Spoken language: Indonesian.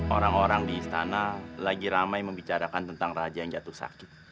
orang orang di istana lagi ramai membicarakan tentang raja yang jatuh sakit